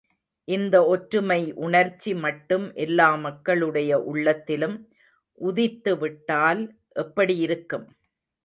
இந்த ஒற்றுமை உணர்ச்சி மட்டும் எல்லா மக்களுடைய உள்ளத்திலும் உதித்துவிட்டால் எப்படி இருக்கும்?